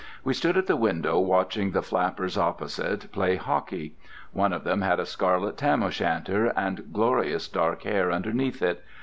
We stood at the window watching the flappers opposite play hockey. One of them had a scarlet tam o' shanter and glorious dark hair underneath it....